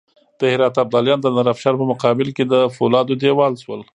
د هرات ابدالیان د نادرافشار په مقابل کې د فولادو دېوال شول.